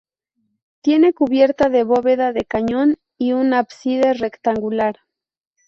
Tiene cubierta de bóveda de cañón y un ábside rectangular.